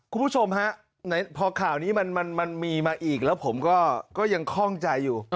คุณผู้ชมฮะพอข่าวนี้มันมีมาอีกแล้วผมก็ยังคล่องใจอยู่